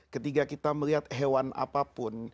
ketika kita melihat hewan apapun